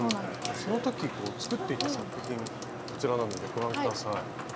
その時作っていた作品こちらなのでご覧下さい。